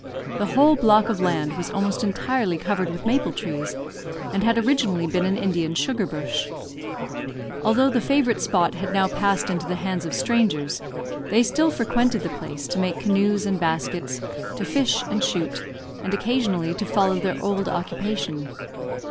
The whole block of land was almost entirely covered with maple trees, and had originally been an Indian sugar bush. Although the favourite spot had now passed into the hands of strangers, they still frequented the place, to make canoes and baskets, to fish and shoot, and occasionally to follow their old occupation.